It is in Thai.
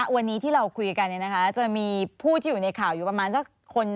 วันนี้ที่เราคุยกันจะมีผู้ที่อยู่ในข่าวอยู่ประมาณสักคน